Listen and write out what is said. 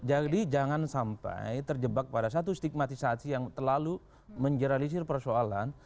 jadi jangan sampai terjebak pada satu stigmatisasi yang terlalu menjeralisir persoalan